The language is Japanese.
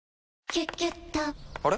「キュキュット」から！